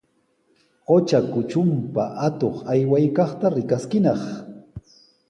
Qutra kutrunpa atuq aywaykaqta rikaskinaq.